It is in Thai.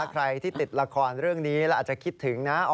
ใครที่ติดละครเรื่องนี้แล้วอาจจะคิดถึงนะ